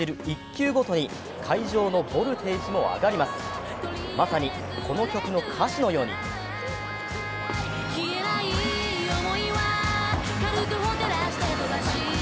１球ごとに会場のボルテージも上がります。